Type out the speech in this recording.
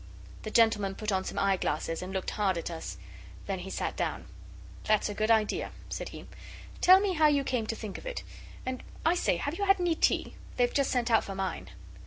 The gentleman put on some eye glasses and looked hard at us. Then he sat down. 'That's a good idea,' said he. 'Tell me how you came to think of it. And, I say, have you had any tea? They've just sent out for mine.